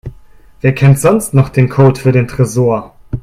Wer kennt sonst noch den Code für den Tresor?